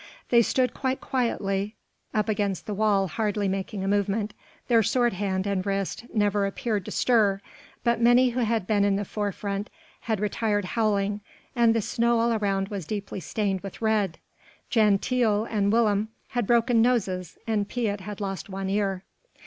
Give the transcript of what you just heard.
They stood quite quietly up against the wall hardly making a movement, their sword hand and wrist never appeared to stir, but many who had been in the forefront had retired howling and the snow all around was deeply stained with red: Jan Tiele and Willem had broken noses and Piet had lost one ear.